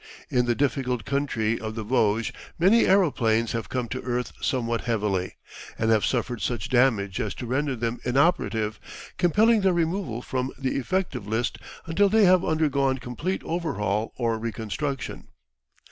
In the difficult country of the Vosges many aeroplanes have come to earth somewhat heavily, and have suffered such damage as to render them inoperative, compelling their removal from the effective list until they have undergone complete overhaul or reconstruction.